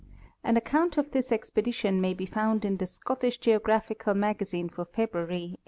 An account of this expedition may be found in the Scottish Geo graphical Magazine for February, 1894.